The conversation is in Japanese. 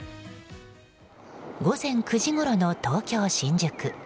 午前９時ごろの東京・新宿。